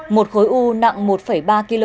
một khối u nặng một ba kg